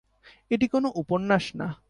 এটি কোনো উপন্যাস না।